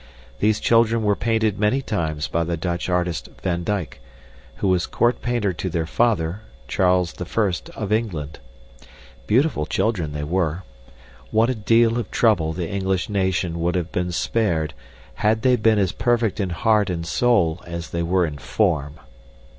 These children were painted many times by the Dutch artist Van Dyck, who was court painter to their father, Charles the First of England. Beautiful children they were. What a deal of trouble the English nation would have been spared had they been as perfect in heart and soul as they were in form!